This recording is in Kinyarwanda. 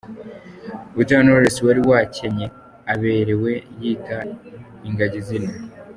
Butera Knowless wari wakenye aberewe yita ingagi izina.